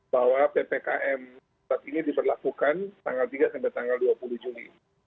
bahwa ppkm ini diberlakukan tanggal tiga sampai tanggal dua puluh juli